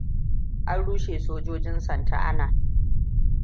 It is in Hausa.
An rushe sojojin Santa Ana.